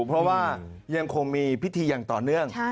เพราะว่ายังคงมีพิธีอย่างต่อเนื่อง